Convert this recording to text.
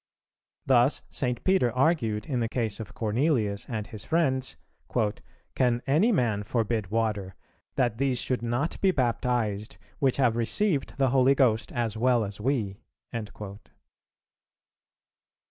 Thus St. Peter argued in the case of Cornelius and his friends, "Can any man forbid water that these should not be baptized, which have received the Holy Ghost as well as we?"